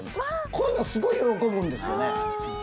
こういうのすごい喜ぶんですよね。